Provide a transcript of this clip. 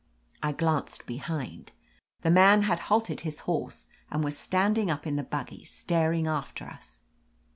I glanced behind. The man had halted his horse and was standing up in the buggy, star ing after us.